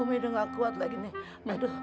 umi udah gak kuat lagi nih